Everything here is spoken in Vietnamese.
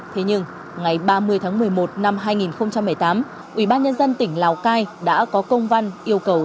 thế nhưng ngày ba mươi tháng một mươi một năm hai nghìn một mươi tám ủy ban nhân dân tỉnh lào cai đã có công văn yêu cầu